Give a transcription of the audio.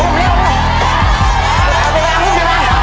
มัดเลย